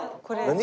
何？